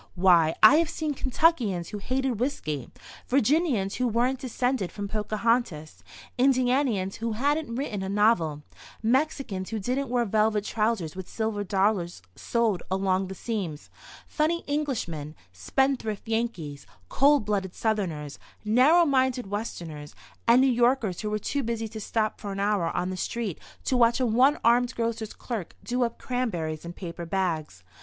Why, I've seen Kentuckians who hated whiskey, Virginians who weren't descended from Pocahontas, Indianians who hadn't written a novel, Mexicans who didn't wear velvet trousers with silver dollars sewed along the seams, funny Englishmen, spendthrift Yankees, cold blooded Southerners, narrow minded Westerners, and New Yorkers who were too busy to stop for an hour on the street to watch a one armed grocer's clerk do up cranberries in paper bags.